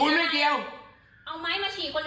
แล้วเราถือไปเพื่ออะไร